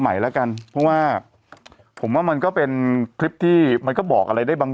ใหม่แล้วกันเพราะว่าผมว่ามันก็เป็นคลิปที่มันก็บอกอะไรได้บาง